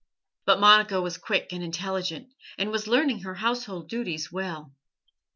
But Monica was quick and intelligent, and was learning her household duties well.